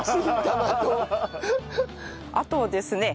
あとですね